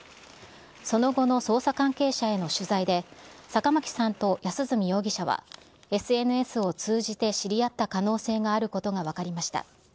その後の捜査関係者への取材で、坂巻さんと安栖容疑者はＳＮＳを通じて知り合った可能性があることが分かりました。